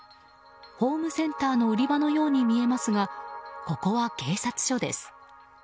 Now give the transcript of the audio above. ホームセンターの売り場のように見えますがここは警察署です。